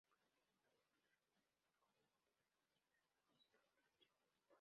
Con ellos participó en el primer Concierto Internacional de Música Plancha.